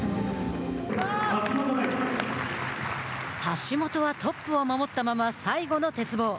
橋本はトップを守ったまま最後の鉄棒。